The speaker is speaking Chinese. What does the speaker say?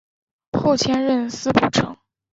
后迁任司仆丞。